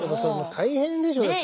大変でしょだってそれは。